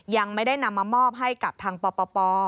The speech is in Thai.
ยังไม่ได้นำมามอบให้กับทางปป